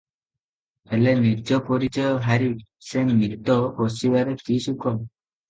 ହେଲେ ନିଜ ପରିଚୟ ହାରି ସେ ମିତ ବସିବାରେ କି ସୁଖ?